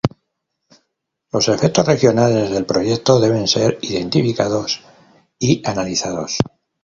Los efectos regionales del proyecto deben ser identificados y analizados.